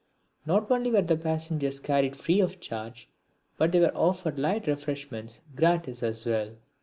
Not only were the passengers carried free of charge, but they were offered light refreshments gratis as well!